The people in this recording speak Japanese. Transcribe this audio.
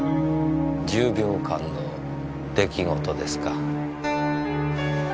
１０秒間の出来事ですか。